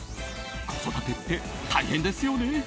子育てって大変ですよね。